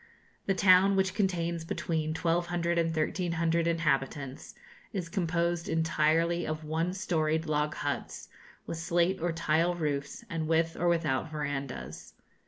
The town, which contains between 1,200 and 1,300 inhabitants, is composed entirely of one storied log huts, with slate or tile roofs, and with or without verandahs.